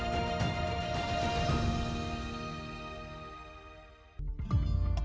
silat harimau pasaman